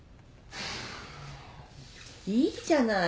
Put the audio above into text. いいじゃない。